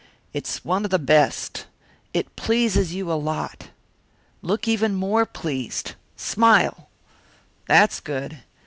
It's one of the best, it pleases you a lot. Look even more pleased smile! That's good.